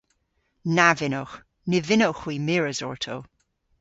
Na vynnowgh. Ny vynnowgh hwi mires orto.